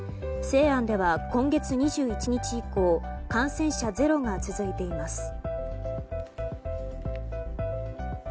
西安では今月２１日以降感染者ゼロが続いています。